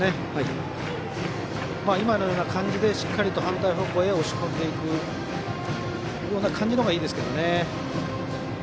今のような感じでしっかりと反対方向へ押し込んでいくような感じがいいですね。